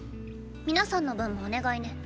皆さんの分もお願いね。